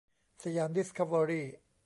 สยามดิสคัฟเวอรี่